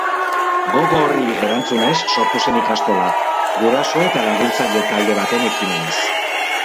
Gogo horri erantzunez sortu zen ikastola, guraso eta laguntzaile talde baten ekimenez.